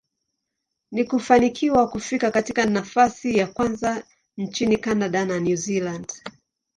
na kufanikiwa kufika katika nafasi ya kwanza nchini Canada na New Zealand.